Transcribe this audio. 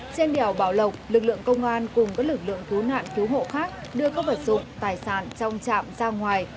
trên đèo bảo lộc lực lượng công an cùng các lực lượng cứu nạn cứu hộ khác đưa các vật dụng tài sản trong trạm ra ngoài